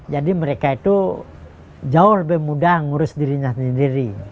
jadi mereka itu jauh lebih mudah ngurus dirinya sendiri